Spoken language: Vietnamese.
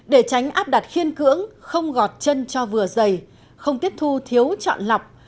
để tránh áp đặt khiên cưỡng không gọt chân cho vừa dày không tiết thu thiếu chọn lọc